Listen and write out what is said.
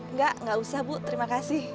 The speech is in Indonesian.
nggak nggak usah bu terima kasih